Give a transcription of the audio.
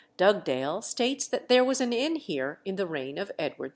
Dugdale states that there was an inn here in the reign of Edward II.